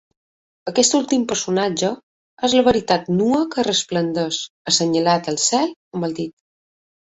Aquest últim personatge és la Veritat nua que resplendeix, assenyalant al cel amb el dit.